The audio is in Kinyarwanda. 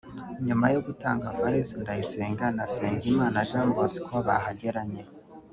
nyuma yo gutanga Valens Ndayisenga na Nsengimana Jean Bosco bahageranye